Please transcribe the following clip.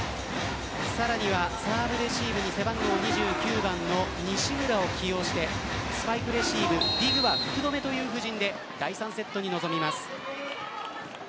さらにはサーブレシーブに背番号２９番の西村を起用してスパイクレシーブ、ディグは福留という布陣で第３セットに臨みます。